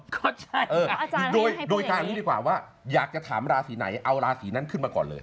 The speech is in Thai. ก็ใช่โดยทางนี้ดีกว่าว่าอยากจะถามราศีไหนเอาราศีนั้นขึ้นมาก่อนเลย